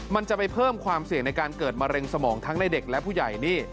มันจะไปเพิ่มความเสี่ยงในการเกิดมะเร็งสมองทั้งในเด็กและผู้ใหญ่นี่